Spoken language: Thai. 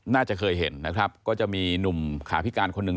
น่าจะเคยเห็นจะมีนุมขาพิการคนหนึ่ง